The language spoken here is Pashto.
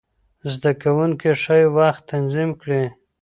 زده کوونکي ښايي وخت تنظیم کړي.